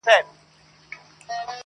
چي آباد وي پر نړۍ جاهل قومونه -